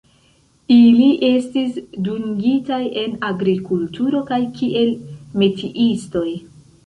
Ili estis dungitaj en agrikulturo kaj kiel metiistoj.